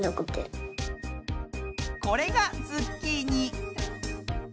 これがズッキーニ。